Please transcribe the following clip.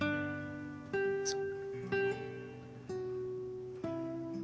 そう？